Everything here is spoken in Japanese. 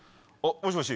もしもし！